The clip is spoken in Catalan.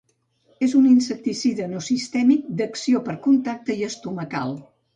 És un insecticida no sistèmic d'acció per contacte i estomacal.